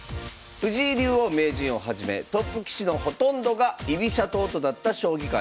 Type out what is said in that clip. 藤井竜王・名人をはじめトップ棋士のほとんどが居飛車党となった将棋界。